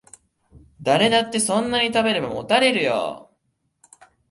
誰だってそんなに食べればもたれるよ